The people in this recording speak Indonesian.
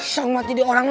sang mati dia orang lu